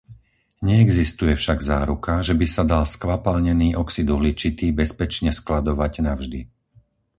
Neexistuje však záruka, že by sa dal skvapalnený oxid uhličitý bezpečne skladovať navždy.